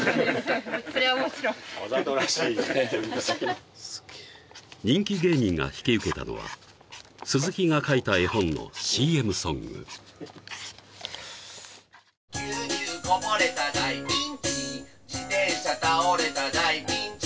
それはもちろんわざとらしい人気芸人が引き受けたのは鈴木が描いた絵本のＣＭソング「牛乳こぼれた大ピンチ」「自転車倒れた大ピンチ」